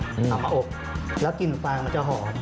เอามาอบแล้วกลิ่นฟางมันจะหอม